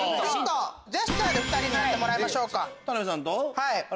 ジェスチャーで２人にやってもらいましょうか。